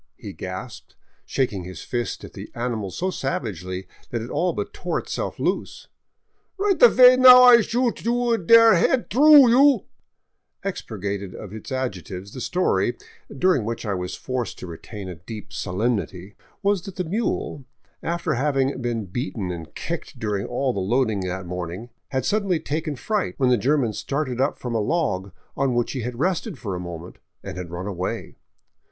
he gasped, shaking his fist at the ani mal so savagely that it all but tore itself loose, Rhight avay now I shoot you der head through, you " Expurgated of its adjectives, the story, during which I was forced to retain a deep solemnity, was that the mule, — after having been beaten and kicked during all the loading that morning — had suddenly taken fright when the German started up from a log on which he had rested for a moment, and had run away.